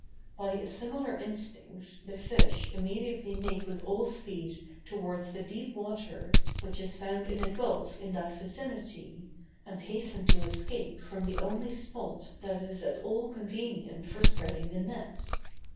By a similar instinct the fish immediately make with all speed towards the deep water which is found in a gulf in that vicinity, and hasten to escape from the only spot that is at all convenient for spreading the nets.